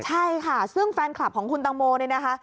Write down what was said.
ใช่ค่ะซึ่งแฟนคลับของคุณตังโมเนี่ยนะคะ